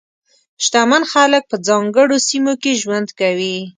شتمن خلک په ځانګړو سیمو کې ژوند کوي.